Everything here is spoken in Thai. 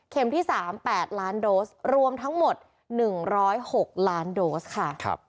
ที่๓๘ล้านโดสรวมทั้งหมด๑๐๖ล้านโดสค่ะ